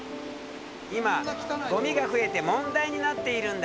今ごみが増えて問題になっているんだ。